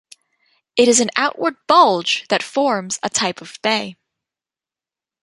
It is an outward bulge that forms a type of bay.